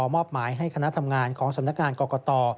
มอบหมายให้คณะทำงานของสำนักงานกรกต